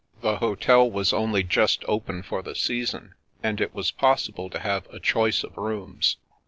The hotel was only just open for the season, and it was possible to have a choice of rooms.